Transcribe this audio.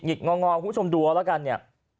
งอคุณผู้ชมดูเอาแล้วกันเนี่ย